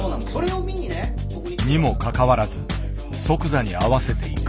にもかかわらず即座に合わせていく。